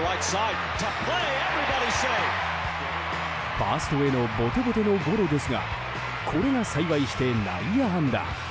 ファーストへのぼてぼてのゴロですがこれが幸いして内野安打。